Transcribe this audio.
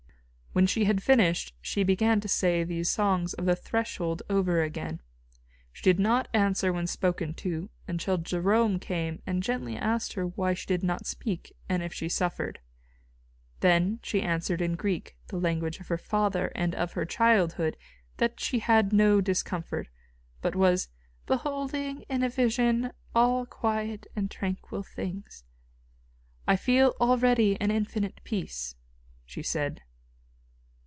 When she had finished, she began to say these songs of the threshold over again. She did not answer when spoken to, until Jerome came and asked gently why she did not speak and if she suffered. Then she answered in Greek, the language of her father and of her childhood, that she had no discomfort, but was "beholding in a vision all quiet and tranquil things." "I feel already an infinite peace," she said.